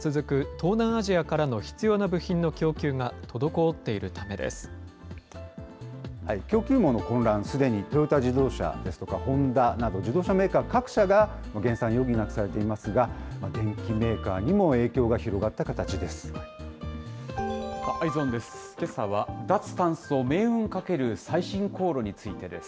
東南アジアからの必要な部品の供給が供給網の混乱、すでにトヨタ自動車ですとか、ホンダなど、自動車メーカー各社が減産を余儀なくされていますが、電機メーカーにも影響が広がった形です。